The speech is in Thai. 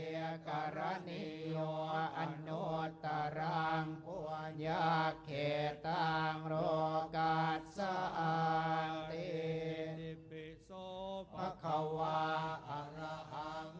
สารทิสันทะเทวะมนุนนางพุทธโทพักขวาธรรม